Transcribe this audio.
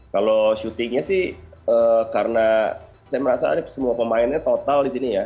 kalau syutingnya sih karena saya merasa semua pemainnya total di sini ya